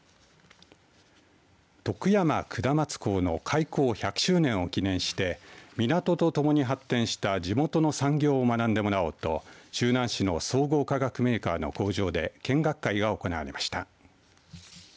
徳山下松港の開港１００周年を記念して港とともに発展した地元の産業を学んでもらおうと周南市の総合化学メーカーの工場で見学会が行われました。